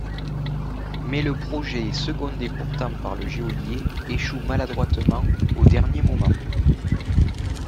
Mais le projet, secondé pourtant par le geôlier, échoue maladroitement au dernier moment.